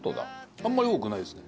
あんまり多くないですね。